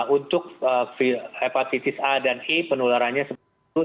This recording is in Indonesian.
untuk hepatitis a dan e penularannya seperti itu